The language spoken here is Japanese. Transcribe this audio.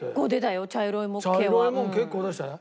茶色いもん結構出したよ。